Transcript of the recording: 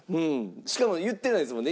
しかも言ってないですもんね。